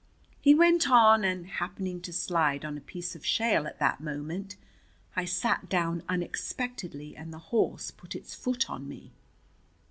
He went on and, happening to slide on a piece of shale at that moment, I sat down unexpectedly and the horse put its foot on me.